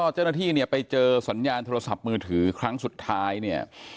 เจ้าหน้าที่เนี่ยไปเจอสัญญาณโทรศัพท์มือถือครั้งสุดท้ายเนี่ย